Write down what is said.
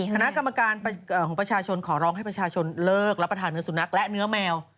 คณะกรรมการของประชาชนขอร้องให้ประชาชนเลิกรับประทานเนื้อสุนัขและเนื้อแมว